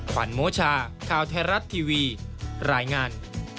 ขวัญโมชาข่าวไทยรัฐทีวีรายงาน